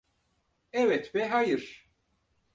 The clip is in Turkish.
Evet ve hayır.